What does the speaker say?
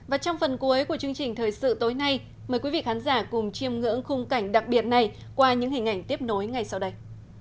và trong phần cuối của chương trình thời sự tối nay mời quý vị khán giả cùng chiêm ngưỡng khung cảnh đặc biệt này qua những hình ảnh tiếp nối ngay sau đây